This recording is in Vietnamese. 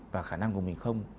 và khả năng của mình không